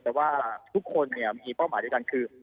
แต่ว่าทุกคนเนี่ยมีเป้าหมายด้วยกันคือ